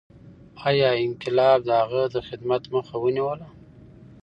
ایا انقلاب د هغه د خدمت مخه ونیوله؟